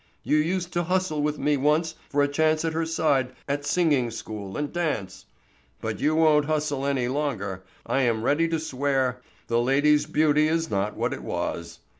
You used to hustle with me once for a chance at her side at singing school and dance; but you won't hustle any longer, I am ready to swear; the lady's beauty is not what it was."